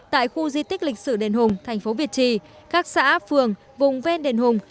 tại khu di tích lịch sử đền hùng thành phố việt trì các xã phường vùng ven đền hùng